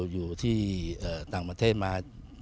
อยู่ที่ต่างประเทศมา